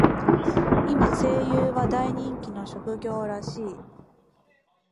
今、声優は大人気の職業らしい。